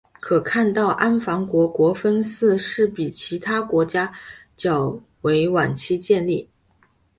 可看到安房国国分寺是比其他国家较为晚期建立。